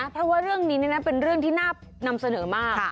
เพราะว่าเรื่องนี้เป็นเรื่องที่น่านำเสนอมาก